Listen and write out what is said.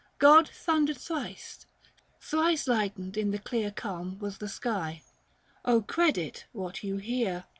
God thundered thrice, thrice light'ned in the clear 395 Calm was the sky — credit what you hear.